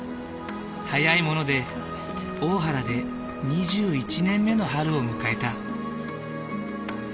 早いもので大原で２１年目の春を迎えた。